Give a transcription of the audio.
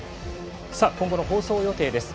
今後の放送予定です。